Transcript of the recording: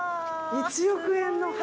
１億円の柱。